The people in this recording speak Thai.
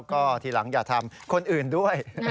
ก็ทีหลังอย่าทำคนอื่นด้วย